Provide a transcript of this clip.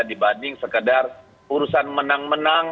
dibanding sekedar urusan menang menang